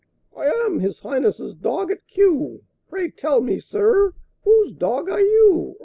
I am His Highness' dog at Kew; Pray tell me, sir, whose dog are you?